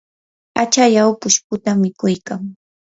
achallaw pushputa mikuykan.